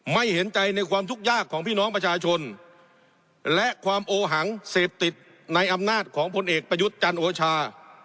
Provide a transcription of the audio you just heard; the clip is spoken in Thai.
เห็นใจในความทุกข์ยากของพี่น้องประชาชนและความโอหังเสพติดในอำนาจของพลเอกประยุทธ์จันทร์โอชา